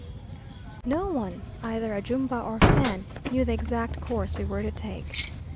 No one, either Ajumba or Fan, knew the exact course we were to take.